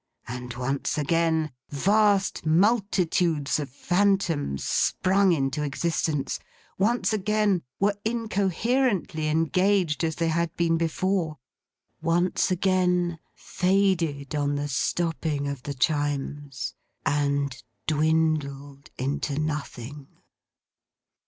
And once again, vast multitudes of phantoms sprung into existence; once again, were incoherently engaged, as they had been before; once again, faded on the stopping of the Chimes; and dwindled into nothing.